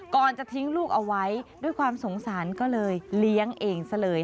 ก่อนจะทิ้งลูกเอาไว้ด้วยความสงสารก็เลยเลี้ยงเองซะเลย